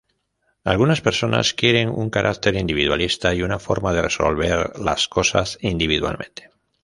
Algunas personas quieren un carácter individualista y una forma de resolver las cosas individualmente.